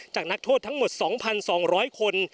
นักโทษทั้งหมด๒๒๐๐คน